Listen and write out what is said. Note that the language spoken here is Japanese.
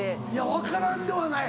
分からんではない。